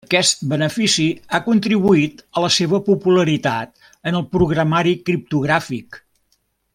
Aquest benefici ha contribuït a la seva popularitat en el programari criptogràfic.